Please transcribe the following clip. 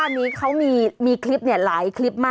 ใช้เมียได้ตลอด